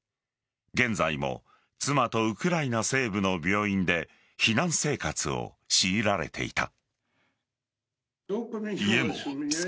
現在も妻とウクライナ西部の病院で避難生活を強いられていた。